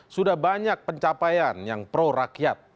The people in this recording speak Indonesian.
sudah banyak pencapaian yang pro rakyat